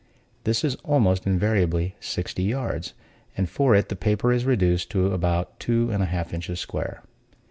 This is almost invariably sixty yards, and for it the paper is reduced to about two and a half inches square.